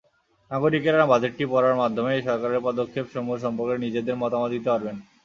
নাগরিকেরা বাজেটটি পড়ার মাধ্যমেই সরকারের পদক্ষেপসমূহ সম্পর্কে নিজেদের মতামত দিতে পারবেন।